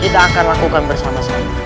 kita akan lakukan bersama saya